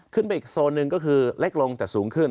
ไปอีกโซนหนึ่งก็คือเล็กลงแต่สูงขึ้น